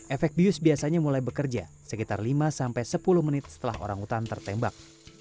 efek bius biasanya mulai bekerja sekitar lima sampai sepuluh menit setelah orang utan tertembak